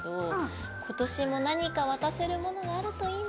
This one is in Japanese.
今年も何か渡せるものがあるといいな。